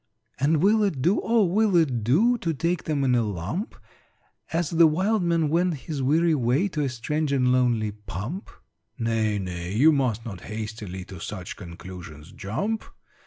"And will it do, O will it do To take them in a lump As 'the wild man went his weary way To a strange and lonely pump'?" "Nay, nay! You must not hastily To such conclusions jump.